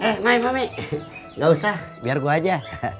eh mai mami gak usah biar gua aja